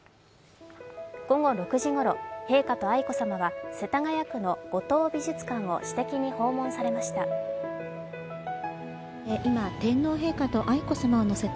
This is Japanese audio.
午後６時ごろ、陛下と愛子さまは世田谷区の五島美術館を私的に訪問されました。